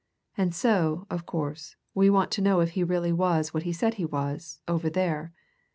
And so, of course, we want to know if he really was what he said he was, over there.